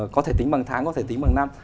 có thể tính bằng tháng có thể tính bằng năm